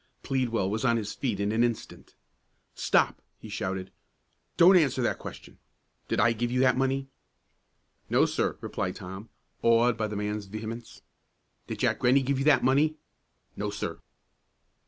Pleadwell was on his feet in an instant. "Stop!" he shouted. "Don't answer that question! Did I give you that money?" "No, sir," replied Tom, awed by the man's vehemence. "Did Jack Rennie give you that money?" "No, sir."